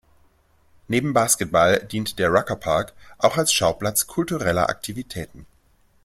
Neben Basketball dient der Rucker Park auch als Schauplatz kultureller Aktivitäten.